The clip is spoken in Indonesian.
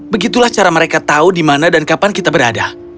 begitulah cara mereka tahu di mana dan kapan kita berada